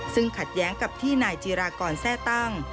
ซึ่งขัดแย้งกับที่นายจีรากรแทร่ตั้ง